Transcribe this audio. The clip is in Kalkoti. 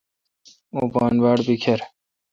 اوں پان باڑ بیکر